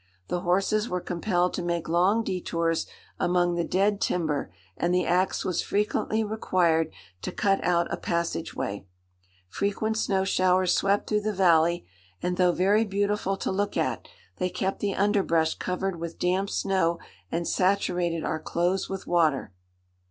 The horses were compelled to make long detours among the dead timber, and the axe was frequently required to cut out a passage way. Frequent snow showers swept through the valley, and, though very beautiful to look at, they kept the underbrush covered with damp snow and saturated our clothes with water.